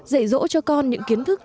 dạy dỗ cho con những kiến thức